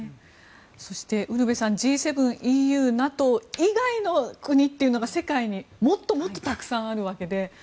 そして、ウルヴェさんＧ７、ＥＵ、ＮＡＴＯ以外の国というのが、世界にもっとたくさんあるわけで。